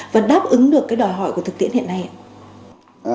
và đáp ứng được cái đòi hỏi của thực tiễn hiện nay ạ